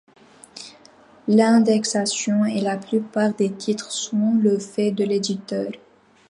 L'indexation et la plupart des titres sont le fait de l'éditeur.